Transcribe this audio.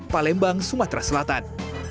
palembang sumatera selatan